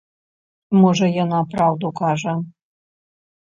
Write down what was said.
Можа, яна праўду кажа.